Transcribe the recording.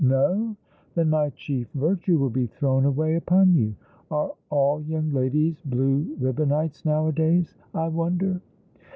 "No; tbea my chief virtue will be thrown away upon you. Are all young ladies blue ribbonites nowadays, I wonder